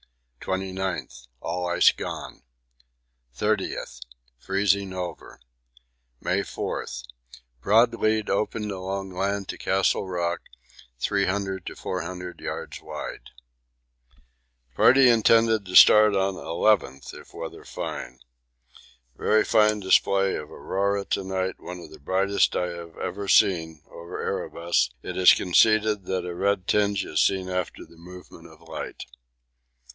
29th. All ice gone. 30th. Freezing over. May 4th. Broad lead opened along land to Castle Rock, 300 to 400 yds. wide. Party intended to start on 11th, if weather fine. Very fine display of aurora to night, one of the brightest I have ever seen over Erebus; it is conceded that a red tinge is seen after the movement of light.